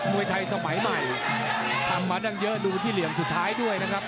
วยไทยสมัยใหม่ทำมาตั้งเยอะดูที่เหลี่ยมสุดท้ายด้วยนะครับ